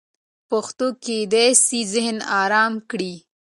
پښتو کېدای سي ذهن ارام کړي.